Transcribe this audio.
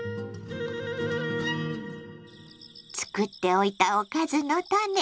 作っておいた「おかずのタネ」